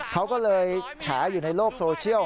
เขาก็เลยแฉอยู่ในโลกโซเชียล